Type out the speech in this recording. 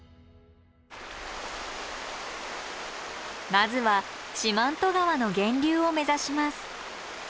まずは四万十川の源流を目指します。